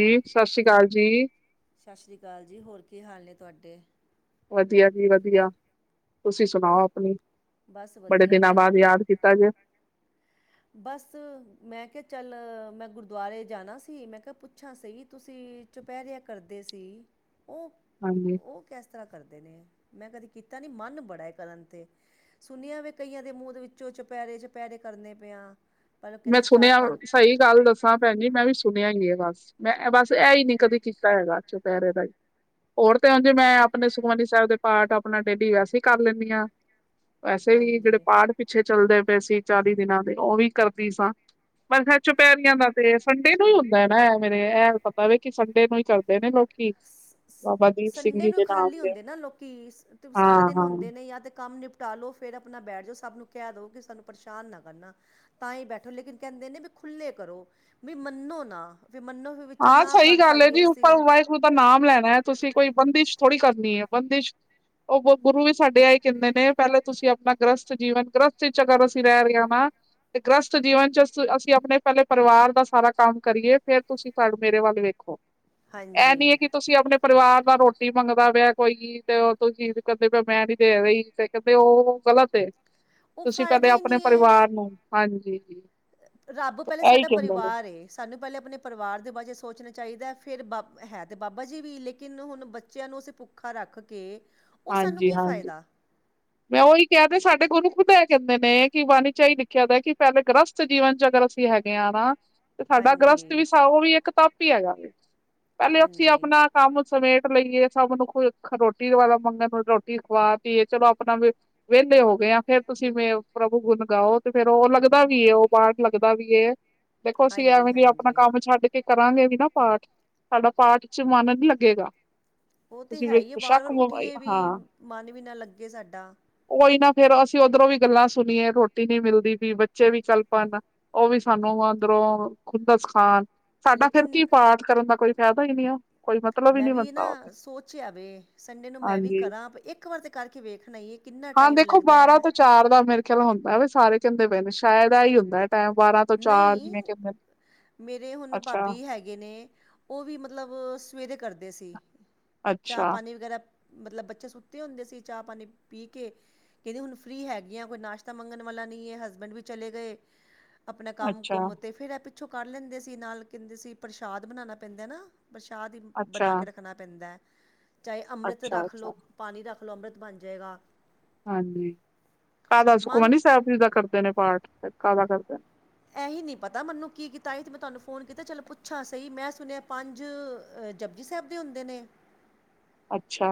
ਸਤਿ ਸ੍ਰੀ ਅਕਾਲ ਜੀ ਸਤਿ ਸ਼੍ਰੀ ਅਕਾਲ ਜੀ ਹੋਰ ਕੀ ਹਾਲ ਨੇ ਤੁਹਾਡੇ, ਵਧੀਆ ਜੀ ਵਧੀਆ ਤੁਸੀਂ ਸੁਣਾਓ ਹੋਰ ਆਪਣੀ, ਬਸ ਬੜੇ ਵਧੀਆ ਦਿਨਾਂ ਕੀ ਬਾਅਦ ਯਾਦ ਕੀਤਾ ਅੱਜ ਬਸ ਮੈਂ ਕਿਹਾ ਚੱਲ ਮੈਂ ਗੁਰਦੁਆਰੇ ਜਾਣਾ ਸੀ ਮੈਂ ਕਿਹਾ ਪੁੱਛਾਂ ਸੀ ਤੁਸੀਂ- ਚੁਪਹਿਰਿਆ ਕਰਦੇ ਸੀ ਉਹ ਹਾਂਜੀ ਉਹ ਕ ਕਿਸ ਤਰ੍ਹਾਂ ਕਰਦੇ ਨੇ, ਮੈਂ ਕਦੇ ਕੀਤਾ ਨੀ ਮਨ ਬੜਾ ਕਰਨ ਤੇ- ਸੁਣਿਆ ਵੀ ਕਈਆਂ ਦੇ ਮੂੰਹ ਦੇ ਵਿੱਚੋਂ ਚਪੈਰੇ ਚਪੈਰੇ ਕਰਨੇ ਪਿਆ। ਪਰ ਉਹ ਮੈਂ ਕਹਿੰਦੇ ਚਾਰ ਸੁਣਿਆ ਪੰਜ ਸਹੀ ਗੱਲ ਦੱਸ- ਹਾਂ ਭੈਣ ਜੀ ਮੈਂ ਵੀ ਸੁਣਿਆ ਗੀ ਬਸ ਮੈਂ ਬਸ ਇਹ ਹੀ ਨੀ ਕਦੇ ਕੀਤਾ ਹੈਗਾ ਚੁਪਹਿਰੇ ਦਾ ਹੀ- ਹੋਰ ਤੇ ਹ ਜੇ ਮੈਂ ਆਪਣੇ ਸੁਖਮਨੀ ਸਾਹਿਬ ਦੇ ਪਾਠ ਆਪਣਾ ਡੇਲੀ ਵੈਸੇ ਹੀ ਕਰ ਲੈਂਦੀ ਹਾਂ ਵੈਸੇ ਵੀ ਜਿਹੜੇ ਹਾਂਜੀ ਪਾਠ ਪਿੱਛੇ ਚੱਲਦੇ ਪਏ ਸੀ ਚਾਲੀ ਦਿਨਾਂ ਦੇ ਉਹ ਵੀ ਕਰਦੀ ਸਾਂ ਪਰ ਫਿਰ ਹ ਚੁਪੈਰੀਆਂ ਦਾੱਸ [unintelligible] ਤੇ ਸੰਡੇ ਨੂੰ ਹੀ ਹੁੰਦਾ ਨਾ ਇਹ ਮੇਰੇ ਇਹਲ ਪਤਾ ਵ ਕਿ ਸੰਡੇ ਨੂੰ ਹੀ ਕਰਦੇ ਨੇ ਲੋਕ- ਸੰਡੇ ਨੂੰ ਨਾਮ ਖਾਲੀ ਦੇ ਹੁੰਦੇ ਨਾ ਲੋਕੀ ਹਾਂ ਸਾਰਾ ਦਿਨ ਹਾਂ ਹੁੰਦੇ ਨੇ ਜਾਂ ਤਾਂ ਕੰਮ ਨਿਪਟ- ਟਾਲੋ ਫੇਿਰ ਆਪਣਾ ਬੈਠ ਜਾਓ ਸਭ ਨੂੰ ਕਹਿ ਦਵੋ ਕਿ ਸਾਨੂੰ ਪਰੇਸ਼ਾਨ ਨਾ ਕਰਨਾ। ਤਾਂ ਹੀ ਬੈਠੋ ਲੇਕਿਨ ਕਹਿੰਦੇ ਨੇ ਵੀ ਖੁੱਲੇ ਕਰੋ ਵੀ, ਮੰਨੋ ਨਾ ਫ ਮੰਨੋ ਵਿੱਚ ਹਾਂ ਨਾ ਸਹੀ ਕਰ ਗੱਲ ਹੈਏ ਪਾਈਏ ਜੀ ਉੱਪਰ ਅਸੀਂ ਉ- ਦਾ ਨਾਮ ਲੈਣਾ ਹੈ ਤੁਸੀਂ ਕੋਈ ਬੰਦਿਸ਼ ਥੋੜੀ ਕਰਨੀ ਹੈ ਬੰਦਿਸ਼ ਉਹ- ਗੁਰੂ ਵੀ ਸਾਡੇ ਆ ਹੀ ਕਹਿੰਦੇ ਨੇ ਪਹਿਲਾਂ ਤੁਸੀਂ ਆਪਣਾ ਗ੍ਰਸਤ ਜੀਵਨ ਗ੍ਰਸਤ ਵਿੱਚ ਅਗਰ ਅਸੀਂ ਰਹਿ ਰਹੇ ਵਾਂ- ਤੇ ਗ੍ਰਸਤ ਜੀਵਨ ਚ ਅਸੀਂ ਆਪਣੇ ਪਹਿਲੇ ਪਰਿਵਾਰ ਦਾ ਸਾਰਾ ਕੰਮ ਕਰੀਏ ਫੇਰ ਤੁਸੀਂ, ਸਾਡ ਮੇਰੇ ਵੱਲ ਵੇਖੋ, ਇਹ ਨੀ ਐ ਹਾਂਜੀ ਕਿ ਤੁਸੀਂ ਆਪਣੇ ਪਰਿਵਾਰ ਨਾਲ ਰੋਟੀ ਮੰਗਦਾ ਪਿਆ ਕੋਈ ਤੇ ਉਹ ਕਹਿੰਦੇ ਮੈਂ ਨੀ ਦੇ ਰਹੀ ਤੇ ਕਹਿੰਦੇ ਉਹ ਗ਼ਲਤ ਏ। ਉਹ ਤੁਸੀਂ ਫਾਇਦਾ ਪਹਿਲੇ ਹੀ ਆਪਣੇ ਨਹੀਂ ਹੈ ਪਰਿਵਾਰ ਨੂੰ, ਹਾਂਜੀ। ਰੱਬ ਤੋਂ ਪਹਿਲੇ ਸਾਡਾ ਕਹਿੰਦੇ ਨੇ ਪਰਿਵਾਰ ਏ। ਸਾਨੂੰ ਪਹਿਲੇ ਆਪਣੇ ਪਰਿਵਾਰ ਦੇ ਬਾਰੇ ਸੋਚਣਾ ਚਾਹੀਦਾ ਫਿਰ ਬਾ ਹੈ ਤਾਂ ਬਾਬਾ ਜੀ ਵੀ ਲੇਕਿਨ ਹੁਣ ਬੱਚਿਆਂ ਨੂੰ ਅਸੀਂ ਭੁੱਖ ਖਾ ਰੱਖ ਕੇ, ਉਹ ਸਾਨੂੰ ਹਾਂਜੀ ਕੀ ਹਾਂਜੀ ਫਾਇਦਾ? ਮੈਂ ਉਹੀ ਕਹਿ ਦੇ ਸਾਡੇ ਗੁਰੂ ਖੁਦ ਐ ਕਹਿੰਦੇ ਨੇ ਕਿ ਵਾਨੀ ਚਾ ਹੀ ਲਿਖਿਆ ਦਾ ਕਿ ਪਹਿਲੇ ਗ੍ਰਸਤ ਜੀਵਨ ਚ ਅਗਰ ਅਸੀਂ ਹੈਗੇ ਹਾਂ ਨਾ ਤੇ ਸਾਡਾ ਹਾਂਜੀ ਗ੍ਰਸਤ ਵੀ ਉਹ ਵੀ ਇੱਕ ਤਪ ਹੀ ਹੈਗਾ ਵੇ, ਪਹਿਲੇ ਉੱਥੇ ਹਾਂਜੀ ਆਪਣਾ ਕੰਮ ਸਮੇਟ ਲਈਏ, ਸਭ ਨੂੰ ਰੋਟੀ ਵਾਲਾ ਮੰਗਣ ਨੂੰ ਰੋਟੀ ਖਵਾ ਤੀ ਚਲੋ। ਆਪ ਵੀ ਵਿਹਲੇ ਹੋ ਗਏ ਆ, ਫੇਰ ਤੁਸੀ ਪ੍ਰਭੂ ਗੁਣ ਗਓ ਤੇ ਫੇਰ ਉਹ ਲੱਗਦਾ ਵੀ ਏ, ਉਹ ਪਾਠ ਲੱਗਦਾ ਵੀ ਏ। ਦੇਖੋ ਅਸੀਂ ਹਾਂਜੀ ਐਵੇਂ ਦੀ ਆਪਣਾ ਹਾਂਜੀ ਕੰਮ ਛੱਡ ਕੇ ਕੇ ਕਰਾਂਗੇ ਵੀ ਨਾ ਪਾਠ, ਸਾਡਾ ਪਾਠ ਚ ਮਨ ਨੀ ਲੱਗੇਗਾ। ਉਹ ਤੇ ਤੁਸੀਂ ਹੈ ਏ, ਸ਼ੱਕ ਵਾਰ-ਵਾਰ ਉੱਠੀਏ ਹਾਂ ਵੀ ਮਨ ਵੀ ਨਾ ਲੱਗੇ ਸਾਡਾ। ਉਈ ਨਾ ਫੇਰ ਅਸੀਂ ਉੱਧਰੋਂ ਵੀ ਗੱਲਾਂ ਸੁਣੀਏ, ਰੋਟੀ ਨੀ ਮਿਲਦੀ ਪਈ, ਬੱਚੇ ਵੀ ਕਲਪਨ ਉਹ ਵੀ ਸਾਨੂੰ ਅੰਦਰੋਂ ਖੁੰਦਸ ਖਾਣ ਸਾਡਾ ਫਿਰ ਲੇਕਿਨ ਕੀ ਪਾਠ ਕਰਨ ਦਾ ਕੋਈ ਫ਼ਾਇਦਾ ਹੀ ਨਈ ਏ। ਮੈਂ ਵੀ ਨਾ ਸੋਚ ਆਵੇ, ਸੰਡੇ ਨੂੰ ਮੈਂ ਵੀ ਹਾਂਜੀ ਕਰਾਂ ਇੱਕ ਵਾਰ ਤਾਂ ਕਰਕੇ ਵੇਖਣਾ ਈ ਐ। ਹਾਂ ਦੇਖੋ ਬਾਰਾਂ ਤੋਂ ਚਾਰ ਦਾ ਮੇਰੇ ਖਿਆਲ ਹੁੰਦਾ ਵੇ, ਸਾਰੇ ਕਹਿੰਦੇ ਪਏ ਨੇ ਸ਼ਾਇਦ ਆ ਹੀ ਹੁੰਦਾ ਏ ਟਾਈਮ ਬਾਰਾਂ ਤੋਂ ਚਾਰ ਨਹੀਂ, ਜਿਵੇਂ ਕਹਿੰਦੇ ਨੇ। ਮੇਰੇ ਹੁਣ ਅੱਛਾ ਭਾਬੀ ਹੈਗੇ ਹੈਗੇ ਨੇ ਉਹ ਵੀ ਮਤਲਬ ਸਵੇਰੇ ਕਰਦੇ ਸੀ। ਚਾਹ ਅੱਛਾ ਪਾਣੀ ਵਗੈਰਾ ਪੀ ਮਤਲਬ ਬੱਚੇ ਸੁੱਤੇ ਹੁੰਦੇ ਸੀ, ਚਾਹ ਪਾਣੀ ਪੀ ਕੇ ਕਹਿੰਦੀ ਹੁਣ ਫਰੀ ਹੈਗੀਆਂ ਕੋਈ ਨਾਸ਼ਤਾ ਮੰਗਣ ਵਾਲਾ ਨਹੀਂ ਐ। ਹਸਬੈਂਡ ਵੀ ਚਲੇ ਗਏ। ਆਪਣਾ ਕੰਮ ਅੱਛਾ ਕੁੁੰਮ ਤੇ ਫੇਰ ਇਹ ਪਿੱਛੋਂ ਕਰ ਲੈਂਦੇ ਸੀ, ਨਾਲ ਕਹਿੰਦੇ ਸੀ ਪ੍ਰਸ਼ਾਦ ਬਣਾਣਾ ਪੈਂਦਾ ਨਾ। ਪ੍ਰਸ਼ਾਹ ਹੀ ਅੱਛਾ ਬਣਾ ਕੇ ਰੱਖਣਾ ਪੈਂਦਾ ਐ, ਚਾਹੇ ਅੰਮ੍ਰਿਤ ਅੱਛਾ ਰੱਖ ਲਓ। ਅੱਛਾ ਪਾਣੀ ਰੱਖ ਲਓ, ਅੰਮ੍ਰਿਤ ਬਣ ਜਾਵੇਗਾ। ਹਾਂਜੀ, ਕਾਹਦਾ ਮਨ ਸੁਖਮਨੀ ਸਾਹਿਬ ਜੀ ਦਾ ਕਰਦੇ ਨੇ ਪਾਠ ਕਾਹਦਾ ਕਰਦੇ ਨੇ। ਇਹੀ ਨਈ ਪਤਾ ਮੈਨੂੰ ਕੀ ਕੀਤਾ ਤੇ ਮੈਂ ਤੁਹਾਨੂੰ ਫੋਨ ਕੀਤਾ ਚਲ ਪੁੱਛਾਂ ਸਹੀ ਮੈਂ ਸੁਣਿਆ ਪੰਜ ਜਪਜੀ ਸਾਹਿਬ ਦੇ ਹੁੰਦੇ ਨੇ। ਅੱਛਾ।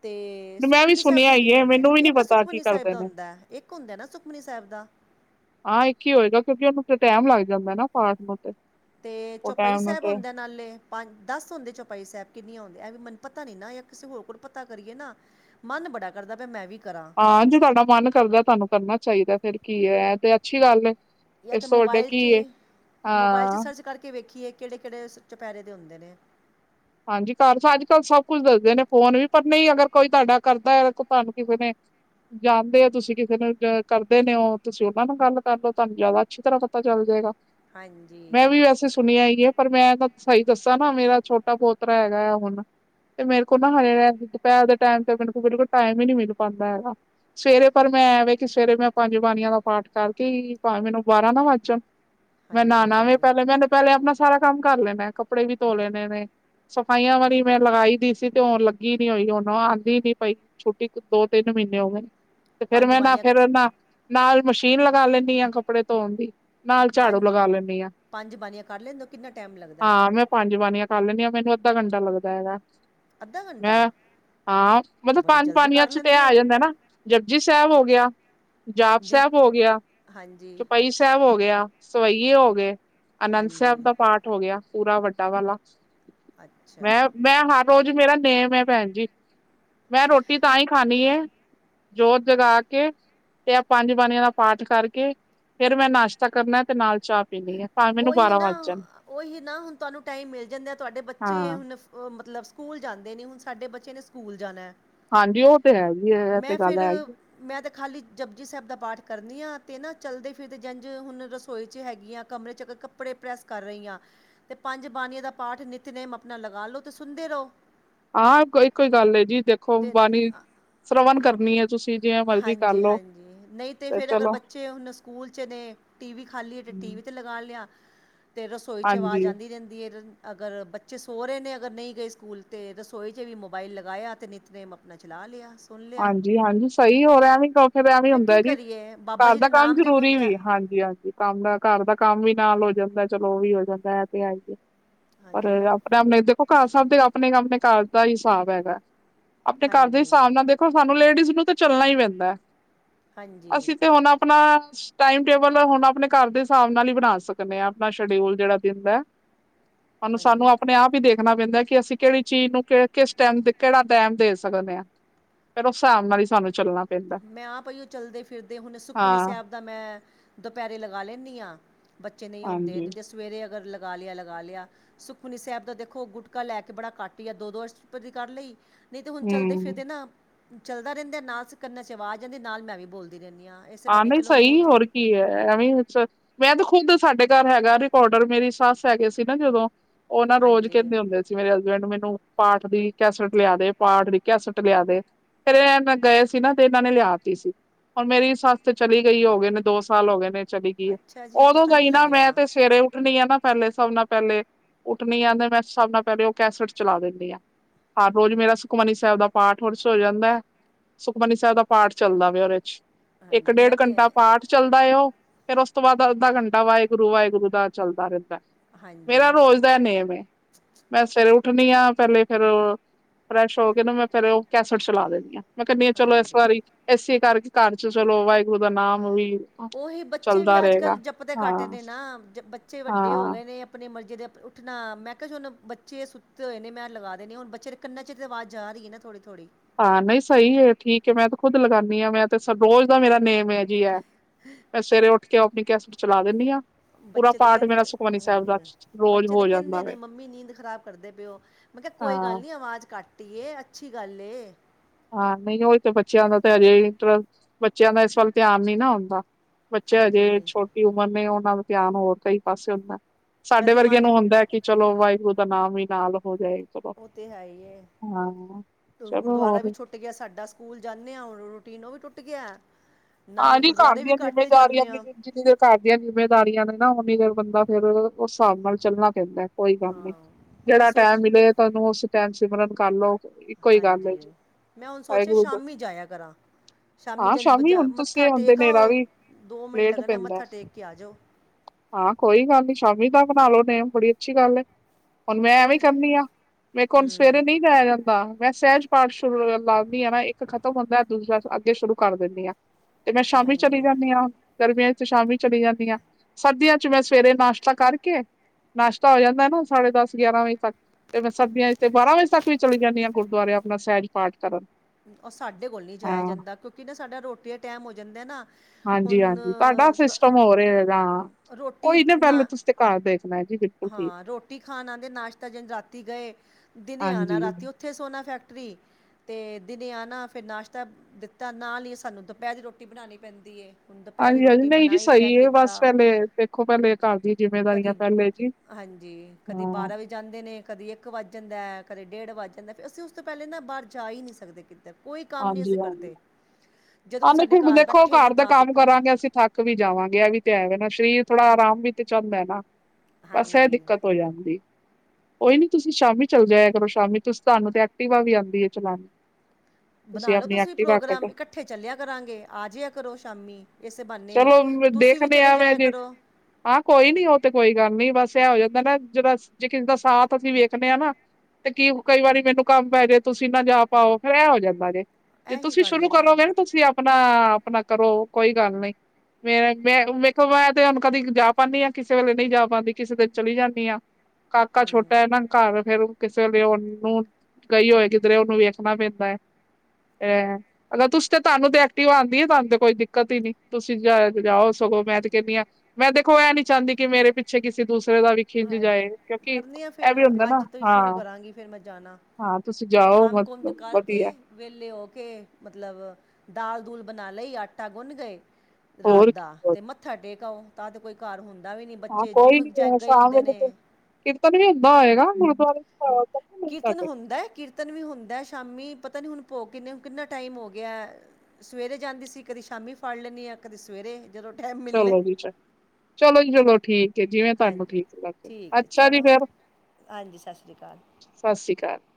ਅਤੇ ਮੈਂ ਵੀ ਸੁਖਮਨੀ ਸਾਹਿਬ ਸੁਣਿਆ ਦੇ ਹੀ ਕਿੰਨੇ ਹੈ ਹੁੰਦੇ ਮੈਨੂੰ ਨੇ ਵੀ ਨੀ ਇੱਕ ਪਤਾ ਕੀ ਸੁਖਮਨੀ ਸਾਹਿਬ ਕਰਦੇ ਦਾ ਨੇ ਹੁੰਦਾ ਐ, ਇੱਕ ਹੁੰਦਾ ਨਾ ਸੁਖਮਨੀ ਸਾਹਿਬ ਦਾ ਆਹ ਇੱਕ ਹੀ ਹੋਏਗਾ ਕਿਉਂਕਿ ਉਹਨੂੰ ਤੇ ਟਾਈਮ ਲੱਗ ਜਾਂਦਾ ਨਾ ਪਾਠ ਨੂੰ ਤੇ ਤੇ ਉਹ ਚੌਪਾਈ ਟਾਈਮ ਨੂੰ ਸਾਹਿਬ ਤੇ ਹੁੰਦਾ। ਨਾਲੇ ਪੰਜ ਦੱਸ ਹੁੰਦੇ ਚੌਪਈ ਸਾਹਿਬ ਕਿੰਨੀਆਂ ਹੁੰਦੀਆਂ, ਐਵੀ ਮੈਨੂੰ ਪਤਾ ਨੀ ਨਾ ਯਾਂ ਕਿਸੇ ਹੋਰ ਕੋਲ ਪਤਾ ਕਰੀਏ ਨਾ। ਮਨ ਬੜਾ ਕਰਦਾ ਵੀ ਮੈਂ ਵੀ ਕਰਾਂ। ਹਾਂ ਜੇ ਤੁਹਾਡਾ ਮਨ ਕਰਦਾ, ਤੁਹਾਨੂੰ ਕਰਨਾ ਚਾਹੀਦਾ ਫੇਰ ਕੀ ਏ ਤੇ ਅੱਛੀ ਗੱਲ ਐ‌। ਜਾਂ ਤਾਂ ਮੋਬਾਇਲ ਚ, ਮੋਬਾਇਲ ਚ ਹਾਂ ਸਰਚ ਕਰਕੇ ਵੇਖੀਏ ਕਿਹੜੇ-ਕਿਹੜੇ ਸ ਚਪਹਿਰੇ ਦੇ ਹੁੰਦੇ ਨੇ। ਹਾਂਜੀ, ਘਰ ਅੱਜ-ਕੱਲ ਸਭ ਕੁਝ ਦੱਸਦੇ ਨੇ ਫੋਨ ਵੀ ਪਰ ਨਹੀਂ ਅਗਰ ਕੋਈ ਤੁਹਾਡਾ ਕਰਦਾ ਤੁਹਾਨੂੰ ਕਿਸੇ ਨੇ। ਜਾਂਣਦੇ ਹੋ ਤੁਸੀਂ ਕਿਸੇ ਨੂੰ ਕਰਦੇ ਨੇ ਹੋ, ਤੁਸੀਂ ਉਹਨਾਂ ਨਾਲ ਗੱਲ ਕਰ ਲਓ, ਤੁਹਾਨੂੰ ਜ਼ਿਆਦਾ ਅੱਛੀ ਤਰ੍ਹਾਂ ਪਤਾ ਚੱਲ ਜਾਏਗਾ‌। ਹਾਂਜੀ ਮੈਂ ਵੀ ਵੈਸੇ ਸੁਣਿਆ ਹੀ ਐ ਪਰ ਮੈਂ ਤਾਂ ਸਹੀ ਦੱਸਾਂ ਨਾ ਮੇਰਾ ਛੋਟਾ ਛੋਟਾ ਪੋਤਰਾ ਹੈਗਾ ਆ ਹੁਣ। ਤੇ ਮੇਰੇ ਕੋਲ਼ ਹਜੇ ਦੁਪਹਿਰ ਦੇ ਟਾਈਮ ਤੇ ਮੇਰੇ ਕੋਲ ਟਾਈਮ ਹੀ ਨੀ ਮਿਲ ਪਾਂਦਾ ਹੈਗਾ। ਸਵੇਰੇ ਪਰ ਮੈਂ ਐਂਵੇਂ ਕਿ ਸਵੇਰੇ ਮੈਂ ਪੰਜ ਬਾਣੀਆਂ ਦਾ ਪਾਠ ਕਰਕੇ ਹੀ ਭਾਵੇ ਮੈਨੂੰ ਬਾਰਾਂ ਨਾ ਵੱਜ ਜਾਣ। ਮੈਂ ਹਾਂਜੀ ਨ੍ਹਾਉਣਾ ਵੀ ਹਾਂਜੀ ਪਹਿਲੇ, ਮੈਂ ਪਹਿਲੇ ਆਪਣਾ ਸਾਰਾ ਕੰਮ ਕਰ ਲੈਣਾ ਕੱਪੜੇ ਵੀ ਧੋ ਲੈਣੇ ਨੇ। ਸਫਾਈਆਂ ਵਾਲੀ ਮੈਂ ਲਗਾਈ ਦੀ ਸੀ ਤੇ ਹੁਣ ਉਹ ਲੱਗੀ ਨੀ ਹੋਈ ਹੁਣ, ਉਹ ਆਂਦੀ ਨੀ ਪਈ। ਛੁੱਟੀ ਤੇ ਦੋ ਤਿੰਨ ਮਹੀਨੇ ਹੋ ਗਏ। ਤੇ ਫੇਰ ਪੰਜ ਮੈਂ ਨਾ ਬਾਣੀਆਂ ਫੇਰ ਨਾ ਨਾਲ ਮਸ਼ੀਨ ਲਗਾ ਲੈਂਣੀ ਆ ਕੱਪੜੇ ਧੋਣ ਦੀ। ਨਾਲ ਝਾੜੂ ਪੰਜ ਲਗਾ ਲੈਂਣੀ, ਹਾਂ ਪੰਜ ਬਾਣੀਆਂ ਕਰ ਲੈਂਦੇ ਹੋ ਕਿੰਨਾ ਟਾਈਮ ਲੱਗਦਾ ਮੈਂ। ਪੰਜ ਬਾਣੀਆਂ ਕਰ ਲੈਣੀਆਂ, ਮੈਨੂੰ ਅੱਧਾ ਘੰਟਾ ਲੱਗਦਾ ਹੈਗਾ। ਅੱਧਾ ਘੰਟਾ। ਮੈਂ ਹਾਂ ਮਤਲਬ ਬੜੀ ਪੰਜ ਜਲਦੀ ਬਾਣੀਆਂ ਕਰ 'ਚ ਤਾਂ ਇਹ ਲੈਂਦੇ ਆ ਹੋ ਜਾਂਦਾ ਨਾ ਜਪੁਜੀ ਸਾਹਿਬ ਹੋ ਗਿਆ। ਜਾਪ ਦਿਨ ਸਾਹਿਬ ਹੋ ਗਿਆ ਹੈ। ਹਾਂਜੀ। ਸੁਖਮਨੀ ਸਾਹਿਬ ਹੋ ਗਿਆ, ਸਵਈਏ ਹੋ ਗਏ, ਆਨੰਦ ਸਾਹਿਬ ਹਾਂਜੀ ਦਾ ਪਾਠ ਹੋ ਗਿਆ ਪੂਰਾ ਵੱਡਾ ਵਾਲਾ। ਅੱਛਾ ਮੈਂ ਮੈਂ ਹਰ ਰੋਜ਼ ਮੇਰਾ ਨੇਮ ਹੈ ਭੈਣ ਜੀ ਮੈਂ ਰੋਟੀ ਤਾਂ ਹੀ ਖਾਣੀ ਹੈ। ਜੋਤ ਜਗਾ ਕੇ। ਤੇ ਆਪ ਪੰਜ ਬਾਣੀਆਂ ਦਾ ਪਾਠ ਕਰਕੇ ਫੇਰ ਮੈਂ ਨਾਸ਼ਤਾ ਕਰਨਾ ਤੇ ਨਾਲ ਚਾਹ। ਭਾਵੇਂ ਮੈਨੂੰ ਉਹੀ ਹੈ ਬਾਰਾਂ ਨਾ ਵੱਜ ਜਾਣ। ਉਹੀ ਨਾ ਹੁਣ ਤੁਹਾਨੂੰ ਟਾਈਮ ਮਿਲ ਜਾਂਦਾ ਤੁਹਾਡੇ ਬੱਚੇ ਹਾਂ ਹੁਣ। ਉਹ ਮਤਲਬ ਸਕੂਲ ਜਾਂਦੇ ਨੇ ਹੁਣ ਸਾਡੇ ਬੱਚੇ ਨੇ ਸਕੂਲ ਜਾਣਾ ਹੈ। ਹਾਂਜੀ ਉਹ ਤੇ ਹੈਗੀ ਇਹ ਤੇ ਮੈਂ ਗੱਲ ਫਿਰ ਹੈ। ਮੈਂ ਤੇ ਖਾਲੀ ਜਪੁਜੀ ਸਾਹਿਬ ਦਾ ਪਾਠ ਕਰਨੀ ਹਾਂ ਤੇ ਨਾ ਚਲਦੇ ਫਿਰਦੇ ਜੰਝ ਹੁਣ ਰਸੋਈ 'ਚ ਹੈਗੀਆਂ। ਕਮਰੇ 'ਚ ਅਗਰ ਕੱਪੜੇ ਪ੍ਰੈੱਸ ਕਰ ਰਹੀ ਹਾਂ। ਅਤੇ ਪੰਜ ਬਾਣੀਆਂ ਦਾ ਪਾਠ ਨਿਤਨੇਮ ਆਪਣਾ ਲਗਾ ਲਉ ਅਤੇ ਸੁਣਦੇ ਰਹੋ। ਹਾਂ ਇੱਕੋ ਇੱਕੋਂ ਗੱਲ ਹੈ ਜੀ ਦੇਖੋ ਤੇ ਬਾਣੀ ਸਰਵਣ ਕਰਨੀ ਹੈ ਤੁਸੀਂ। ਜਿਵੇਂ ਮਰਜ਼ੀ ਹਾਂਜੀ ਕਰਲੋ ਹਾਂਜੀ ਨਹੀਂ ਤਾਂ ਤੇ ਫਿਰ ਅਗਰ ਚਲੋ ਬੱਚੇ ਹੁਣ ਸਕੂਲ 'ਚ ਨੇ। ਟੀ ਵੀ ਖਾਲੀ ਹੈ ਤੇ ਹਮ ਟੀਵੀ ਤੇ ਲਗਾ ਲਿਆ ਤੇ ਰਸੋਈ 'ਚ ਹਾਂਜੀ ਆਵਾਜ਼ ਆਉਂਦੀ ਰਹਿੰਦੀ ਹੈ। ਅਗਰ ਬੱਚੇ ਸਹੁਰਰੇ ਨੇ ਅਗਰ ਨਹੀਂ ਗਏ ਸਕੂਲ ਤਾਂ ਰਸੋਈ 'ਚ ਵੀ ਮੋਬਾਈਲ ਲਗਾਇਆ ਅਤੇ ਨਿੱਤ ਨੇ ਆਪਣਾ ਚਲਾ ਲਿਆ ਸੁਣ ਲਿਆ। ਹਾਂਜੀ ਹਾਂਜੀ ਸਹੀ ਹੋ ਰਿਹਾ ਵੀ ਸੁੱਤੀ ਪਿਆ ਵੀ ਫਿਰ ਕੀ ਹੁੰਦਾ ਜੀ ਕਰੀਏ ਬਾਬਾ ਘਰ ਜੀ ਦਾ ਕੰਮ ਨਾਮ ਤੇ ਉਹਨੂੰ ਜਰੂਰੀ ਵੀ ਕਹਿ ਹਾਂਜੀ ਹਾਂਜੀ ਕੰਮ ਦਾ ਘਰ ਦਾ ਕੰਮ ਵੀ ਨਾਲ ਹੋ ਜਾਂਦਾ ਚਲੋ ਉਹ ਵੀ ਹੋ ਜਾਂਦਾ ਹੈ ਤੇ ਆਈਏ ਪਰ ਹਾਂਜੀ, ਉਹ- ਆਪਣੇ ਦੇਖੋ ਖਾਲ ਸਾਹਿਬ ਦੇ ਆਪਣੇ ਆਪਣੇ ਘਰ ਦਾ ਹਿਸਾਬ ਹੈਗਾ ਆਪਣੇ ਘਰ ਦੇ ਹਾਂਜੀ, ਹਿਸਾਬ ਨਾਲ ਦੇ ਦੇਖੋ ਸਾਨੂੰ ਲੇਡੀਜ਼ ਨੂੰ ਤਾਂ ਚੱਲਣਾ ਹੀ ਪੈਂਦਾ ਹਾਂਜੀ, ਅਸੀਂ ਤੇ ਹੁਣ ਆਪਣਾ ਟਾਈਮ ਟੇਬਲ ਹੁਣ ਆਪਣੇ ਘਰ ਦੇ ਹਿਸਾਬ ਨਾਲ ਹੀ ਬਣਾ ਸਕਦੇ ਹਾਂ ਆਪਣਾ ਸ਼ਡਿਊਲ ਜਿਹੜਾ ਦਿੰਦਾ ਸਾਨੂੰ ਹਾਂਜੀ। ਆਪਣੇ ਆਪ ਵੀ ਦੇਖਣਾ ਪੈਂਦਾ ਕਿ ਅਸੀਂ ਕਿਹੜੀ ਚੀਜ਼ ਨੂੰ ਕਿਸ ਟਾਈਮ ਕਿਹੜਾ ਟੈਮ ਦੇ ਸਕਦੇ ਹਾਂ। ਫਿਰ ਉਸ ਹਿਸਾਬ ਨਾਲ ਹੀ ਸਾਨੂੰ ਚੱਲਣਾ ਪੈਂਦਾ ਮੈਂ ਆਪ ਜਦੋਂ ਚੱਲਦੇ ਫਿਰਦੇ ਹੁਣ ਸੁਖਮਨੀ ਹਾਂ, ਸਾਹਿਬ ਦਾ ਮੈਂ ਦੁਪਹਿਰੇ ਲਗਾ ਲੈਂਦੀ ਹਾਂ। ਬੱਚੇ ਨਹੀਂ ਹੁੰਦੇ ਹਾਂਜੀ, ਨਹੀਂ ਸਵੇਰੇ ਅਗਰ ਲਗਾ ਲਿਆ ਲਗਾ ਲਿਆ। ਸੁਖਮਨੀ ਸਾਹਿਬ ਦਾ ਦੇਖੋ ਗੁਟਕਾ ਲੈ ਕੇ ਬੜਾ ਘੱਟ ਹੀ ਆ ਦੋ ਦੋ ਅਸ਼ਟਪਦੀ ਕਰ ਲਈ। ਨਹੀਂ ਤਾਂ ਹੁਣ ਚੱਲਦੇ ਹੂੰ, ਫਿਰਦੇ ਨਾ ਚੱਲਦਾ ਰਹਿੰਦਾ ਨਾਲ ਅਸੀਂ ਕੰਨਾਂ 'ਚ ਆਵਾਜ਼ ਜਾਂਦੀ ਨਾਲ ਮੈਂ ਵੀ ਬੋਲਦੀ ਰਹਿੰਦੀ ਹਾਂ। ਇਸੇ ਹਾਂ ਬਹਾਨੇ ਨਹੀਂ ਚਲੋ ਮੂੰਹ ਸਹੀ 'ਚ ਹੋਰ ਕੀ ਹੈ ਐਵੀਂ। ਮੈਂ ਤਾਂ ਖੁੱਦ ਸਾਡੇ ਘਰ ਹੈਗਾ ਰਿਕੋਡਰ ਮੇਰੀ ਸੱਸ ਹੈਗੇ ਸੀ ਨਾ ਜਦੋਂ। ਉਹ ਨਾ ਰੋਜ਼ ਹਾਂਜੀ ਕਹਿੰਦੇ ਹੁੰਦੇ ਸੀ। ਮੇਰੇ ਹਸਬੈਂਡ ਮੈਨੂੰ ਪਾਠ ਦੀ ਕੈਸਟ ਲਿਆ ਦੇ ਪਾਠ ਦੀ ਕੈਸਟ ਲਿਆ ਦੇ। ਫੇਰ ਇਹ ਗਏ ਸੀ ਨਾ ਤੇ ਇਹਨਾਂ ਨੇ ਲਿਆਤੀ ਸੀ ਹੁਣ ਮੇਰੀ। ਸੱਸ ਤੇ ਚਲੀ ਗਈ ਹੈ ਹੋ ਗਏ ਨੇ ਦੋ ਸਾਲ ਹੋ ਗਏ ਨੇ। ਚਲੀ ਗਈ ਹੈ। ਅੱਛਾ ਜੀ ਉਦੋਂ ਪਤਾ ਦਾ ਨਹੀਂ ਹੀ ਨਾ ਲੱਗਿਆ ਮੈਂ ਤੇ ਸਵੇਰੇ ਉੱਠਣੀ ਆ ਨਾ। ਪਹਿਲੇ ਹਿਸਾਬ ਨਾਲ ਪਹਿਲੇ ਉੱਠਣੀ ਆ ਤੇ ਮੈਂ ਉਸ ਹਿਸਾਬ ਨਾਲ ਪਹਿਲੇ ਉਹ ਕੈਸਟ ਚਲਾ ਦਿੰਦੀ ਹਾਂ। ਹਰ ਰੋਜ਼ ਮੇਰਾ ਸੁਖਮਨੀ ਸਾਹਿਬ ਦਾ ਪਾਠ ਸ਼ੁਰੂ ਹੋ ਜਾਂਦਾ ਹੈ ਸੁਖਮਨੀ ਸਾਹਿਬ ਦਾ ਪਾਠ ਚੱਲਦਾ ਵਾ ਉਹਦੇ ਚ ਇੱਕ ਹਾਂਜੀ ਡੇਢ ਮੈਂ ਤਾਂ ਘੰਟਾ ਪਾਠ ਚੱਲਦਾ ਹੈ ਉਹ ਫੇਰ ਉਸ ਤੋਂ ਬਾਅਦ ਅੱਧਾ ਘੰਟਾ ਵਾਹਿਗੁਰੂ ਵਾਹਿਗੁਰੂ ਦਾ ਚੱਲਦਾ ਰਹਿੰਦਾ ਹਾਂਜੀ ਮੇਰਾ ਰੋਜ਼ ਰੋਜ਼ ਦਾ ਨੇਮ ਹੈ ਮੈਂ ਸਵੇਰੇ ਉੱਠਣੀ ਆ ਪਹਿਲੇ ਫੇਰ ਫਰੈਸ਼ ਹੋ ਕੇਨੂੰ ਮੈਂ ਫੇਿਰ ਉਹ ਕੈਸਟ ਚਲਾ ਦੇਣੀ ਆਾਂ ਮੈਂ ਕਹਿੰਨੀ ਹਾਂ ਚਲੋ ਇਸ ਹਾਂਜੀ ਵਾਰੀ ਇਸੇ ਕਰਕੇ ਘਰ ਚ ਚਲੋ ਵਾਹਿਗੁਰੂ ਦਾ ਨਾਮ ਵੀ ਉਹੀ ਬੱਚੇ ਵੀ ਚੱਲਦਾ ਅੱਜ ਰਹੇਗਾ ਕੱਲ੍ਹ ਜਪਦੇ ਕੱਟ ਹਾਂ ਨੇ ਨਾ ਜ ਬੱਚੇ ਵੱਡੇ ਹੋ ਹਾਂ ਗਏ ਨੇ ਆਪਣੀ ਮਰਜ਼ੀ ਦੇ ਉੱਠਣਾ ਮੈਂ ਕਿਹਾੁਣ ਬੱਚੇ ਸੁੱਤੇ ਹੋਏ ਨੇ ਮੈਂਰ ਲਗਾਏ ਨੇ ਹੁਣ ਬੱਚੇ ਦੇ ਕੰਨਨਾ ਚਿਰ ਤੇ ਆਵਾਜ਼ ਜਾ ਰਹੀ ਹੈ ਨਾ ਥੋੜੀ ਥੜੀ ਹਾਂ ਨਹੀਂ ਸਹੀ ਹੈ ਠੀਕ ਹੈ ਮੈਂ ਤੇ ਖੁਦ ਲਗਾਉਂਦੀ ਹਾਂ ਮੈਂ ਤੇ ਰੋਜ਼ ਦਾ ਮੇਰਾ ਨੇਮ ਹੈ ਜੀ ਹੈ ਮੈਂ ਸਵੇਰੇ ਉੱਠ ਕੇ ਆਪਣੀ ਕੈਸਟ ਚਲਾ ਦਿੰਦੀ ਆ ਬੱਚੇ ਤੇ ਕਹਿੰਦੇ, ਹਾਂਜੀ, ਰੋਜ਼ ਬੱਚੇ ਤੇ ਹੋ ਜਾਂਦਾ ਕਹਿੰਦੇ ਵੇ ਨੇ ਮੰਮੀ ਨੀਂਦ ਖ਼ਰਾਬ ਕਰਦੇ ਪਏਓ। ਮੈਂ ਕੇਆ ਕੋਈ ਗੱਲ ਹਾਂ ਨਈ, ਆਵਾਜ਼ ਕਾਟ ਈ ਏ, ਅੱਛੀ ਗੱਲ ਏ। ਹਾਂ ਨਈ ਉਹੀ ਤੇ ਬੱਚਿਆਂ ਦਾ ਤੇ ਅਜੇ ਇਟਰਸਟ, ਬੱਚਿਆਂ ਦਾ ਇਸ ਵੱਲ ਧਿਆਨ ਨੀ ਨਾ ਹੁੰਦਾ। ਬੱਚੇ ਹਜੇ ਹਾਂਜੀ ਛੋਟੀ ਉਮਰ ਨੇ, ਉਹਨਾਂ ਦਾ ਧਿਆਨ ਹੋਰ ਕਈ ਪਾਸੇ ਹੁੰਦਾ। ਸਾਡੇ ਕਦੀ ਵਰਗੇਆਂ ਮਨ ਨੂੰ ਹੁੰਦਾ, ਕਿ ਚਲੋ ਵਾਹਿਗੁਰੂ ਦਾ ਨਾਮ ਹੀ ਨਾਲ ਹੋ ਜਾਏ। ਚਲੋ ਉਹ ਤੇ ਹੈ ਈ ਏ, ਹਾਂ ਹੁਣ ਚਲੋ ਗੁਰਦੁਵਾਰਾ ਵੀ ਹੋਰ ਛੋ ਟੁੱਟ ਗਿਆ ਸਾਡਾ, ਸਕੂਲ ਜਾਂਦੇ ਆ, ਹੁਣ ਰੁ ਰੂਟੀਨ ਉਹ ਵੀ ਟੁੱਟ ਗਿਆ ਏ। ਹਾਂਜੀ ਕਾਰ ਦੀਆਂ ਜਿੰਮੇਦਾਰੀਆਂ ਨੇ, ਆ ਜਿੰਨੀ ਦੇਰ ਘਰ ਦੀਆਂ ਜਿੰਮੇਦਾਰੀਆਂ ਨੇ ਨਾ, ਉਨੀ ਦੇਰ ਬੰਦਾ ਫੇਰ ਉਸ ਸਾਬ ਨਾਲ ਚੱਲਣਾ ਪੈਂਦਾ ਏ। ਕੋਈ ਗੱਲ ਨੀ ਹਾਂ ਹੁਣ ਮੈਂ ਜੇਹੜਾ ਟੈਮ ਸੋਚ ਮਿਲੇ ਤੁਆਨੂੰ, ਉਸ ਟੈਮ ਸਿਮਰਨ ਕਰ ਲੋ, ਇੱਕੋ ਈ ਗੱਲ ਹੈ ਹਾਂਜੀ ਜੀ। ਮੈਂ ਹੁਣ ਸੋਚਿਆ ਵਾਹਿਗੁਰੂ ਦਾ। ਸ਼ਾਮੀ ਜਾਇਆ ਕਰਾਂ, ਸ਼ਾਮੀ ਹਾਂ ਜੰਜ ਬਜਾ ਹੁਣ ਮ ਮੱਥਾ ਤੁਸੀਂ ਹੁੰਦੇ ਟੇਕ ਹਨੇਰਾ ਆਓ, ਵੀ ਦੋ ਮਿੰਟ ਲੇਟ ਲੱਗਣੇ, ਪੈਂਦਾ ਮੱਥਾ ਟੇਕ ਕੇ ਆ ਜਾਓ। ਹਾਂ ਕੋਈ ਗੱਲ ਨੀ, ਸ਼ਾਮੀ ਦਾ ਬਣਾ ਲੋ ਨੇਮ, ਬੜੀ ਅੱਛੀ ਗੱਲ ਏ। ਹੁਣ ਮੈਂ ਐਵੇਂ ਈ ਓਏ ਕਰਨੀ ਆ, ਮੇਰੇ ਕੋਲ ਹੁਣ ਹਮ ਸਵੇਰੇ ਨਈ ਜਾਇਆ ਜਾਂ ਦਾ, ਮੈਂ ਸਹਿਜ ਪਾਠ ਸ਼ੁਰੂ ਲਾਉਣੀ ਆ ਨਾ, ਇੱਕ ਖਤਮ ਹੁੰਦਾ, ਦੂਜਰਾ ਅੱਗੇ ਸ਼ੁਰੂ ਕਰ ਦੇਣੀ ਆ। ਤੇ ਮੈਂ ਸ਼ਾਮੀ ਚਲੀ ਹਾਂਜੀ ਜਾਂਣੀ ਆ। ਗਰਮੀਆਂ ਇੱਚ ਤੇ ਸ਼ਾਮੀ ਚਲੀ ਜਾਣੀ ਆ, ਸਰਦੀਆਂ ਇੱਚ ਮੈਂ ਸਵੇਰੇ ਨਾਸ਼ਤਾ ਕਰਕੇ ਨਾਸ਼ਤਾ ਹੋ ਜਾਂਦਾ ਨਾ, ਸਾਢੇ ਦਸ ਗਿਆਰਾਂ ਵਜੇ ਤੱਕ। ਤੇ ਮੈਂ ਸਰਦੀਆਂ ਇੱਚ ਤੇ ਬਾਰਾਂ ਵਜੇ ਤੱਕ ਵੀ ਚਲੀ ਜਾਣੀ ਆ, ਗੁਰਦੁਵਾਰੇ ਆਪਣਾ ਸਹਿਜ ਪਾਠ ਕਰਨ। ਉਹ ਸਾਡੇ ਕੋਲ ਨਈ ਜਾਇਆ ਹਾਂ ਜਾਂਦਾ, ਕਿਉਂਕਿ ਨਾ ਸਾਡਾ ਰੋਟੀ ਦਾ ਟੈਮ ਹੋ ਜਾਂਦਾ ਨਾ। ਹੁਣ ਹਾਂਜੀ-ਹਾਂਜੀ ਤੁਆਡਾ ਸਿਸਟਮ ਹੋਰ ਏ ਰਾ, ਓਈ ਨਾ ਪਹਿਲੇ ਤੁਸੀ ਤੇ ਕਾਰ ਦੇਖਣਾ ਜੀ ਬਿਲੁ ਹਾਂ ਰੋਟੀ ਖਾਣ ਆਦੇ, ਨਾਸ਼ਤਾ ਜਿੰਜ ਰਾਤੀ ਗਏ, ਦਿਨੇ ਆਣਾ, ਹਾਂਜੀ ਰਾਤੀ ਓ ਉੱਥੇ ਸੋਨਾ ਫੈਕਟਰੀ। ਤੇ ਦਿਨੇ ਆਣਾ, ਫੇਰ ਨਾਸ਼ਤਾ ਦਿੱਤਾ, ਨਾਲ ਈ ਸਾਨੂੰ ਦੁਪਹਿਰ ਦੀ ਰੋਟੀ ਬਣਾਉਣੀ ਪੈਂਦੀ ਏ। ਹਾਂਜੀ-ਹਾਂਜੀ, ਨਈ ਜੀ ਸਹੀ ਏ, ਬਸ ਪਹਿਲੇ ਦੇਖੋ ਪਹਿਲੇ ਘਰ ਦੀ ਕਦੀ ਜਿੰਮੇਦਾਰੀਆਂ ਪਹਿਲੇ ਏ ਜੀ। ਹਾਂਜੀ, ਕਦੀ ਹਾਂ, ਬਾਰਾਂ ਵ ਜਾਂਦੇ ਨੇ, ਕਦੀ ਇੱਕ ਵੱਜ ਜਾਂਦਾ ਏ, ਕਦੇ ਡੇਢ ਵੱਜ ਜਾਂਦਾ, ਫਿਰ ਅਸੀ ਉਸ ਤੋਂ ਪਹਿਲੇ ਨਾ, ਬਾਰ ਜਾ ਈ ਨਈ ਸਕਦੇ ਕਿ ਤੇ, ਕੋਈ ਕੰਮ ਨੀ ਅਸੀਂ ਹਾਂਜੀ-ਹਾਂਜੀ। ਕਰਦੇ, ਜਦੋਂ ਹਾਂ ਨਹੀਂ ਸਾਡੇ ਕਾਰ ਬੈਠੇ ਨੇ, ਤਾਂ ਤੀਕਨ। ਕ ਵੀ ਜਾਵਾਂਗੇ, ਏਹ ਵੀ ਤੇ ਐਵੇ ਨਾ, ਸ਼ਰੀਰ ਥੋੜਾ ਆਰਾਮ ਵੀ ਤੇ ਚੁੰਦਾ ਹੈ ਨਾ। ਬਸ ਏਹ ਹਾਂਜੀ ਦਿੱਕਤ ਹੋ ਜਾਣਦੀ। ਕੋਈ ਨੀ, ਤੁਸੀਂ ਸ਼ਾਮੀ ਚੱਲ ਜਾਇਆ ਕਰੋ ਸ਼ਾਮੀ, ਤੁਸੀਂ ਤਾਨੂੰ ਤੇ ਐਕਟਿਵਾ ਵੀ ਆਉਂਦੀ ਹੈ ਚਲਾਣੀ। ਬਣਾ ਲੋ ਤੁਸੀਂ ਵੀ ਪ੍ਰੋਗਰਾਮ, ਇਕੱਠੇ ਚੱਲਿਆ ਕਰਾਂਗੇ, ਆ ਜੇਆ ਕਰੋ ਸ਼ਾਮੀ। ਇਸੇ ਬਾਨੇ, ਚਲੋ ਮ- ਤੁਸੀਂ ਵੀ ਦੇਖਦੇ ਚਲੇ ਆ ਮੈਂ ਜਾਇਆ ਜੇ ਕਰੋ। ਹਾਂ ਕੋਈ ਨੀ, ਉਹ ਤੇ ਕੋਈ ਗੱਲ ਨੀ, ਬਸ ਏਹ ਹੋ ਜਾਂਦਾ ਨਾ, ਜਿਹੜਾ ਜੇ ਕਿਸੀ ਦਾ ਸਾਥ ਅਸੀਂ ਵੇਖਣੇ ਆ ਨਾ ਤੇ ਕੀ, ਕਈ ਵਾਰੀ ਮੈਨੂੰ ਕੰਮ ਪੈ ਜੇ, ਤੁਸੀਂ ਨਾ ਜਾ ਪਾਓ, ਫੇਰ ਐ ਹੋ ਜਾਂਦਾ ਜੇ। ਜੇ ਇਹੀ ਤੁਸੀਂ ਗੱਲ ਸ਼ੁਰੂ ਹੈ ਕਰੋਗੇ ਨਾ, ਤੁਸੀਂ ਆਪਣਾ, ਆਪਣਾ ਕਰੋ, ਕੋਈ ਗੱਲ ਨਈ। ਮੇਰਾ, ਮੈਂ ਵੇਖੋ ਮੈਂ ਤੇ ਹੁਣ ਕਦੀ ਜਾ ਪਾਉਂਣੀ ਆ, ਕਿਸੇ ਵੇਲੇ ਨਈ ਜਾ ਪਾਉਂਦੀ, ਕਿਸੇ ਦਿਨ ਚਲੀ ਜਾਣੀ ਆ। ਕਾਕਾ ਹੂੰ ਛੋਟਾ ਏ ਨਾ। ਘਰ ਫੇਰ ਕਿਸੇ ਵੇਲੇ ਉਹਨੂੰ, ਗਈ ਹੋਏ ਕਿਧਰੇ, ਉਹਨੂੰ ਵੇਖਣਾ ਪੈਂਦਾ ਏ। ਏਹ, ਅਗਰ ਤੁਸ ਤੇ ਤੁਆਨੂੰ ਤੇ ਐਕਟਿਵਾ ਆਉਂਦੀ ਏ, ਤੁਆਨੂੰ ਤੇ ਕੋਈ ਦਿੱਕਤ ਈ ਨੀ। ਤੁਸੀ ਜਾ ਜਾਓ ਸਗੋਂ, ਮੈਂ ਤੇ ਕੇਹਣੀ ਆ, ਮੈਂ ਦੇਖੋ ਏਹ ਨੀ ਚਾਹੁੰਦੀ ਕਿ ਮੇਰੇ ਪਿੱਛੇ ਕਿਸੇ ਦੂਸਰੇ ਦਾ ਵੀ ਖਿੱਝ ਹੈ ਜਾਏ ਵੀ, ਕਿਉਂਕਿ ਕਰਨੀ ਆ ਫੇਰ, ਇਹ ਵੀ ਹੁੰਦਾ ਨਾ ਅੱਜ ਤੋਂ ਈ ਸ਼ੁਰੂ ਹਾਂ ਕਰਾਂਗੀ ਫੇਰ ਮੈਂ ਜਾਣਾ। ਹਾਂ ਤੁਸੀਂ ਜਾਓ ਕੰਮ ਕੁੰਜ ਮਤਲਬ ਵਧੀਆ ਕਰਕੇ ਵੇਅਲੇ ਹੋ ਕੇ ਮਤਲਬ, ਦਾਲ ਦੂਲ ਬਣਾ ਲਈ, ਆਟਾ ਗੁੰਨ ਗਏ ਰਾਤ ਹੋਰ ਕੀ। ਦਾ, ਤੇ ਮੱਥਾ ਟੇਕ ਆਓ, ਤਾਂ ਤੇ ਕੋਈ ਘਰ ਹੁੰਦਾ ਵੀ ਨੀ, ਹਾਂ ਬੱਚੇ ਕੋਈ ਜਿੰਮ ਨੀ ਜਾ ਗਏ ਸ਼ਾਮ ਹੁੰਦੇ ਨੇ ਵੇਲੇ, ਕੀਰਤਨ ਵੀ ਹੁੰਦਾ ਹੋਏਗਾ, ਗੁਰਦੁਆਰੇ ਚ [unintelligible] ਕੀਰਤਨ ਹੁੰਦਾ ਏ, ਕੀਰਤਨ ਵੀ ਹੁੰਦਾ ਹੈਂ ਸ਼ਾਮੀ, ਪਤਾ ਨੀ ਹੁਣ ਪੋਗ ਕਿਨੇ? ਕਿੰਨਾ ਟਾਈਮ ਹੋ ਗਿਆ ਐ ਸਵੇਰੇ ਜਾਂਦੀ ਸੀ, ਕਦੀ ਸ਼ਾਮੀ ਫੜ ਲੈਂਨੀ ਆ, ਕਦੇ ਸਵੇਰੇ। ਜਦੋਂ ਟਾਈਮ ਮਿਲੇ ਚਲੋ ਜੀ ਚ, ਚਲੋ ਜੀ ਚਲੋ ਠੀਕ ਜਿਵੇਂ ਤੁਹਾਨੂੰ ਹਾਂਜੀ ਠੀਕ ਲੱਗੇ, ਠੀਕ ਹੈ ਅੱਛਾ ਜੀ ਚਲੋ ਫੇਰ, ਹਾਂਜੀ ਸਤਿ ਸ਼੍ਰੀ ਅਕਾਲ ਸਤਿ ਸ੍ਰੀ ਅਕਾਲ।